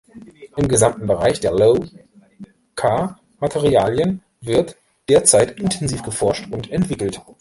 Im gesamten Bereich der Low-k-Materialien wird derzeit intensiv geforscht und entwickelt.